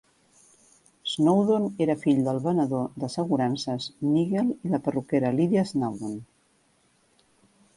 Snowdon era fill del venedor d'assegurances Nigel i la perruquera Lydia Snawdon.